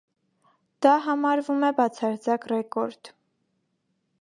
Դա համարվում է բացարձակ ռեկորդ։